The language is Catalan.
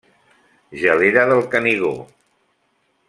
Gelera del Canigó.